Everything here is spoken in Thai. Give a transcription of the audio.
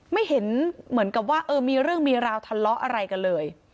ไม่เห็นเหมือนกับว่าเออมีเรื่องมีราวทะเลาะอะไรกันเลย